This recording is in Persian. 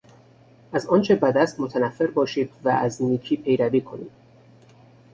از آنچه بد است متنفر باشید و از نیکی پیروی کنید.